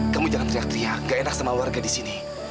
kamu jangan teriak teriak gak enak sama warga disini